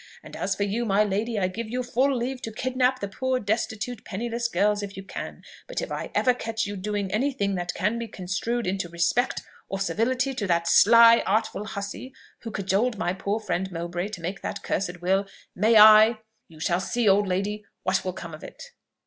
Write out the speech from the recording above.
And as for you, my lady, I give you full leave to kidnap the poor destitute, penniless girls if you can; but if I ever catch you doing any thing that can be construed into respect or civility to that sly, artful hussy who cajoled my poor friend Mowbray to make that cursed will, may I.... You shall see, old lady, what will come of it!'